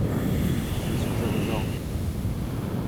Je suis à vos ordres.